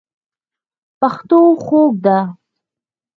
پښتو خوږه ده.